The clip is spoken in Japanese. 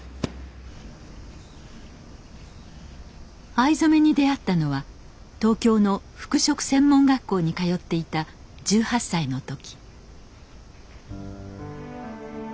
藍染めに出会ったのは東京の服飾専門学校に通っていた１８歳の時。